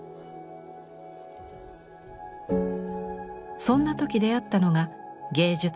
そんな時出会ったのが芸術の世界。